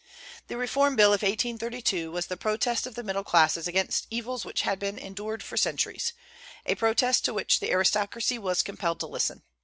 The Reform Bill of 1832 was the protest of the middle classes against evils which had been endured for centuries, a protest to which the aristocracy was compelled to listen.